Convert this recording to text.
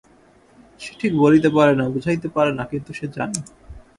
সে ঠিক বলিতে পারে না, বুঝাইতে পারে না, কিন্তু সে জানে।